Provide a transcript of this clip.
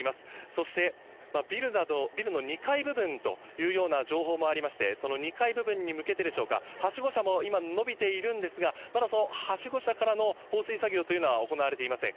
そしてビルなど、ビルの２階部分というような情報もありまして、その２階部分に向けてでしょうか、はしご車も今、伸びているんですが、まだそのはしご車からの放水作業というのは行われていません。